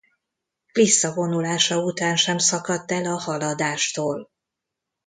Visszavonulása után sem szakadt el a Haladástól.